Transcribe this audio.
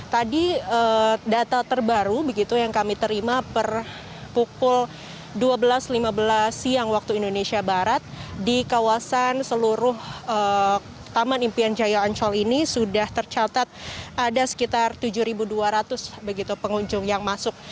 tadi data terbaru begitu yang kami terima per pukul dua belas lima belas siang waktu indonesia barat di kawasan seluruh taman impian jaya ancol ini sudah tercatat ada sekitar tujuh dua ratus begitu pengunjung yang masuk